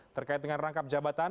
terkait dengan rangkap jabatan